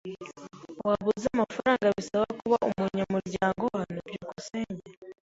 Waba uzi amafaranga bisaba kuba umunyamuryango hano? byukusenge